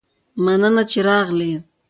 مننه چې راغلي